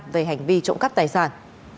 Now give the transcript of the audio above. về hành vi trộm cắt tài sản